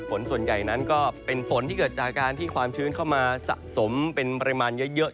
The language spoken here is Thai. ฝนส่วนใหญ่นั้นก็เป็นฝนที่เกิดจากการที่ความชื้นเข้ามาสะสมเป็นปริมาณเยอะ